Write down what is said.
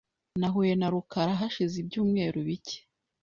Nahuye na rukara hashize ibyumweru bike .